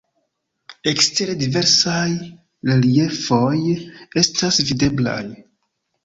Ekstere diversaj reliefoj estas videblaj.